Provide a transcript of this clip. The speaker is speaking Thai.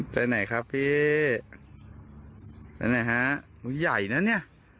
ใจไหนครับพี่ใจไหนฮะอุ้ยใหญ่นะเนี่ย